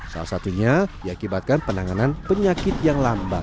salah satunya diakibatkan penanganan penyakit yang lambat